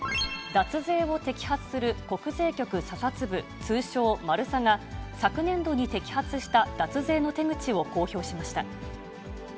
脱税を摘発する国税局査察部、通称、マルサが昨年度に摘発した脱税の手口を公表しました。